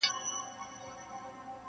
• دا نوي شعرونه، چي زه وایم خدای دي -